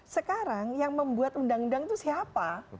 sekarang yang membuat undang undang itu siapa